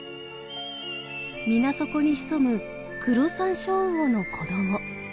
水底に潜むクロサンショウウオの子ども。